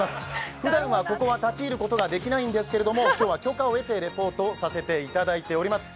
ふだんはここは立ち入ることができないんですけど、今日は許可を得てリポートさせていただいております。